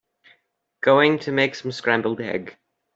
Going to make some scrambled egg.